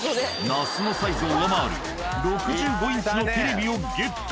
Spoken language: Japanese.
那須のサイズを上回る６５インチのテレビをゲット。